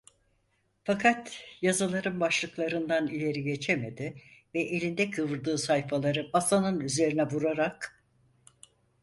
Fakat yazıların başlıklarından ileri geçemedi ve elinde kıvırdığı sayfaları masanın üzerine vurarak: